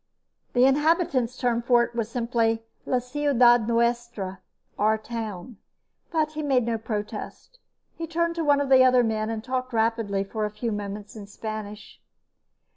The inhabitants' term for it was simply "La Ciudad Nuestra" "Our Town." But he made no protest. He turned to one of the other men and talked rapidly for a few moments in Spanish.